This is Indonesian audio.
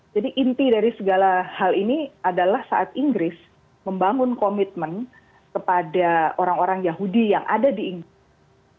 jadi inti dari segala hal ini adalah saat inggris membangun komitmen kepada orang orang yahudi yang ada di inggris